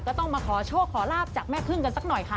ก็ต้องมาขอโชคขอลาบจากแม่พึ่งกันสักหน่อยค่ะ